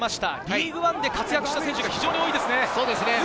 リーグワンで活躍した選手が非常に多いですね。